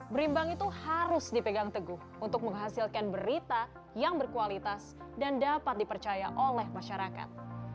berimbang itu harus dipegang teguh untuk menghasilkan berita yang berkualitas dan dapat dipercaya oleh masyarakat